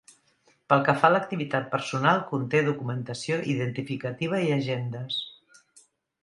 Pel que fa a l'activitat personal, conté documentació identificativa i agendes.